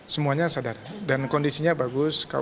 semuanya sadar dan kondisinya bagus